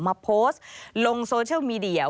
มาโพสต์ลงโซเชียลมีเดีย